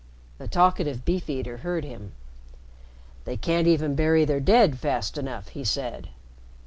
The talkative Beef eater heard him. "They can't even bury their dead fast enough," he said.